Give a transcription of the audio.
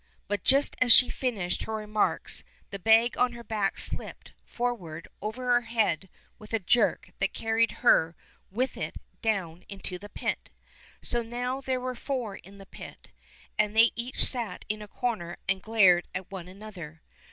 But just as she finished her remarks the bag on her back slipped for ward over her head with a jerk that carried her with it down into the pit. So now there were four in the pit, and they each sat in a corner and glared at one another.